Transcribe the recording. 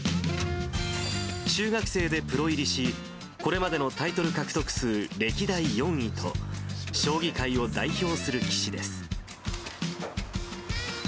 中学生でプロ入りし、これまでのタイトル獲得数歴代４位と、将棋界を代表する棋士です。